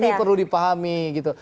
ini perlu dipahami gitu